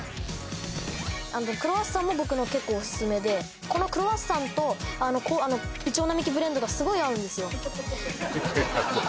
あのクロワッサンも僕の結構オススメでこのクロワッサンといちょう並木Ｂｌｅｎｄがすごい合うんですよいやいや